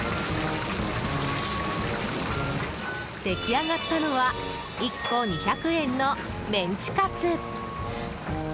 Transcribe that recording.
出来上がったのは１個２００円のメンチカツ。